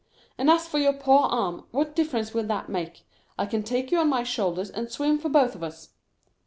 "And as for your poor arm, what difference will that make? I can take you on my shoulders, and swim for both of us."